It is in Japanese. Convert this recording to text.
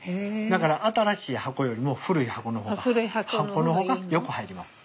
だから新しい箱よりも古い箱の方がよく入ります。